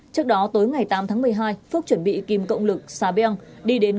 trước đó tới ngày tám tháng một mươi hai phúc chuẩn bị kim cộng lực sabian đi đến